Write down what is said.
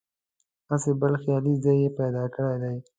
هسې بل خیالي ځای یې پیدا کړی دی.